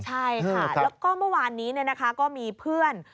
ใช่ค่ะแล้วก็เมื่อวานนี้ก็มีเพื่อน